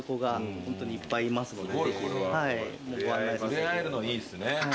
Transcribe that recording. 触れ合えるのいいですね。